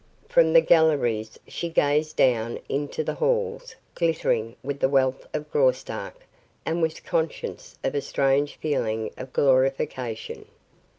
From the galleries she gazed down into the halls glittering with the wealth of Graustark and was conscious of a strange feeling of glorification.